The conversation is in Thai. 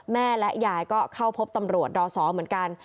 แม่และยายก็เข้าพบตำรวจดศเหมือนกัน